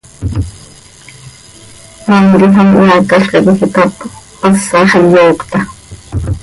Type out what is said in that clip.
Cmaam quij an iheaacalca quij itapasax, iyoocta.